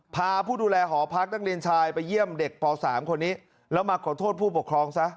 พาผู้ดูแลหอพักนักเรียนชายไปเยี่ยมเด็ก